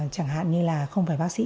chẳng hạn như là không phải bác sĩ